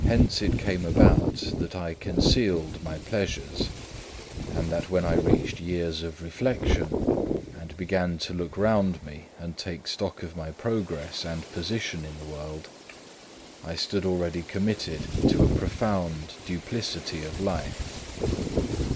Hence it came about that I concealed my pleasures; and that when I reached years of reflection, and began to look round me and take stock of my progress and position in the world, I stood already committed to a profound duplicity of life.